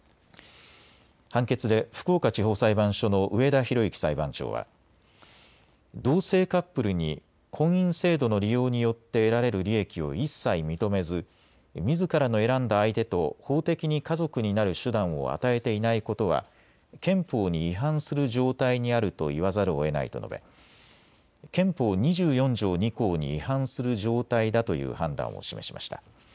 判決で福岡地方裁判所の上田洋幸裁判長は同性カップルに婚姻制度の利用によって得られる利益を一切認めずみずからの選んだ相手と法的に家族になる手段を与えていないことは憲法に違反する状態にあるといわざるをえないと述べ憲法２４条２項に違反する状態だという判断を示しました。